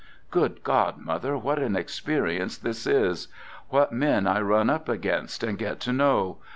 Good God, mother, what an experience this is! What men I run up against and get to know!